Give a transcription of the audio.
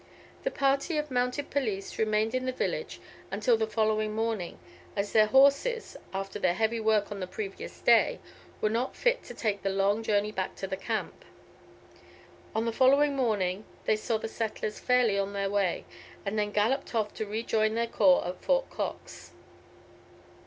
The party of mounted police remained in the village until the following morning, as their horses, after their heavy work on the previous day, were not fit to take the long journey back to the camp. On the following morning they saw the settlers fairly on their way, and then galloped off to rejoin their corps at Fort Cox.